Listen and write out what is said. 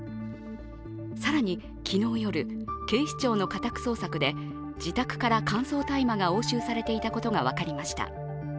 更に、昨日夜警視庁の家宅捜索で自宅から乾燥大麻が押収されていたことが分かりました。